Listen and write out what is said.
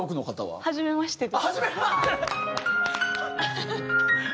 はじめまして。